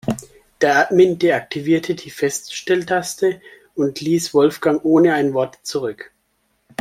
Der Admin deaktivierte die Feststelltaste und ließ Wolfgang ohne ein Wort zurück.